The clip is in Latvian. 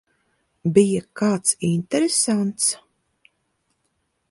Bija kāds interesants?